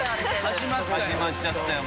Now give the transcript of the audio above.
始まっちゃったよ